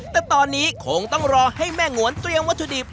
แต่ตอนนี้คงต้องรอให้แม่งวนเตรียมวัตถุดิบ